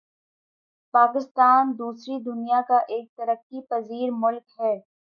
پاکستان دوسری دنیا کا ایک ترقی پزیر ملک ہے